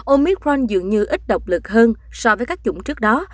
omicron dường như ít độc lực hơn so với các chủng trước đó